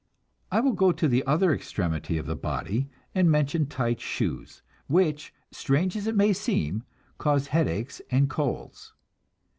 I will go to the other extremity of the body, and mention tight shoes, which, strange as it may seem, cause headaches and colds.